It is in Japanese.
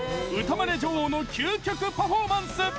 歌まね女王の究極パフォーマンス！